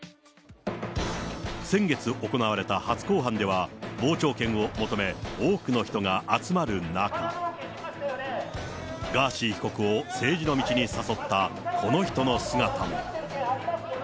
先月行われた初公判では、傍聴券を求め、多くの人が集まる中、ガーシー被告を政治の道に誘ったこの人の姿も。